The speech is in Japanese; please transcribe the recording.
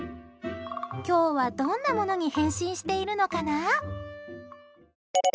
今日は、どんなものに変身しているのかな？